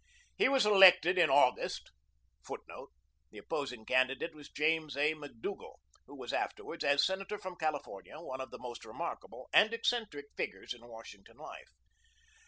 He was elected in August, [Footnote: The opposing candidate was James A. McDougall, who was afterwards, as Senator from California, one of the most remarkable and eccentric figures in Washington life.